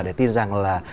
để tin rằng là